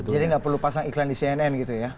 jadi nggak perlu pasang iklan di cnn gitu ya